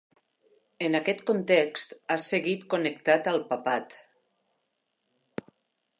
En aquest context, ha seguit connectat al papat.